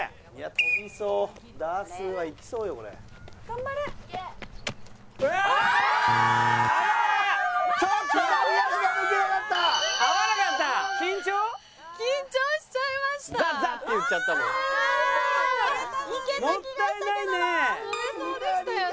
跳べそうでしたよね。